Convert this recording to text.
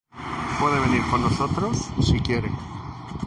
Puede venir con nosotros, si quiere.